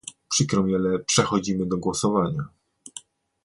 Przykro mi, ale przechodzimy do głosowania